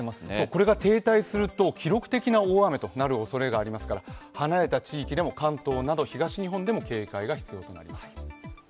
これが停滞すると記録的な大雨となるおそれがありますから離れた地域でも、関東など東日本でも警戒が必要となります。